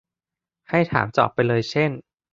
ให้ถามเจาะไปเลยเช่น